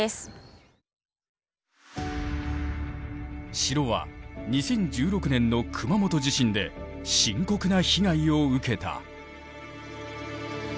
城は２０１６年の熊本地震で深刻な被害を受けた。